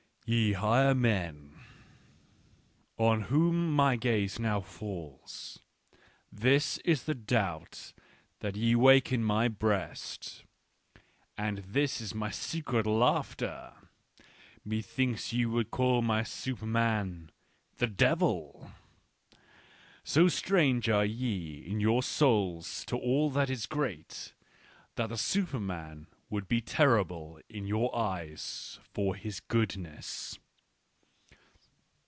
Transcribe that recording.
" Ye higher men, on whom my gaze now falls, this is the doubt that ye wake in my breast, and this is my secret laughter : methinks ye would call my Superman — the devil ! So strange are ye in your souls to all that is great, that the Superman would be terrible in your eyes for his goodness."